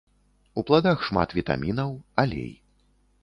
У пладах шмат вітамінаў, алей.